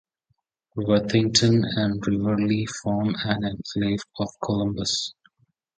Worthington and Riverlea form an enclave of Columbus.